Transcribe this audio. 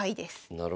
なるほど。